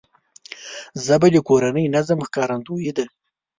ژبه د کورني نظم ښکارندوی ده